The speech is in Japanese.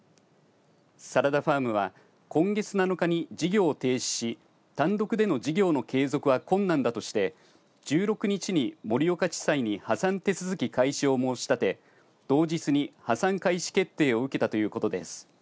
サラダファームは今月７日に事業を停止し単独での事業の継続は困難だとして１６日に盛岡地裁に破産手続き開始を申し立て同日に破産開始決定を受けたということです。